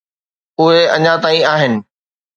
اهي اڃا تائين آهن.